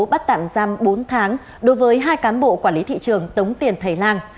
bắt tạm giam bốn tháng đối với hai cán bộ quản lý thị trường tống tiền thầy lang